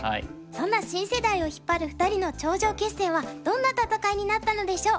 そんな新世代を引っ張る２人の頂上決戦はどんな戦いになったのでしょう。